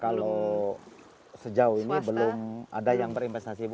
kalau sejauh ini belum ada yang berinvestasi bu